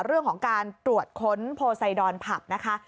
เรื่องของการตรวจค้นโพไซดอนผับนะคะ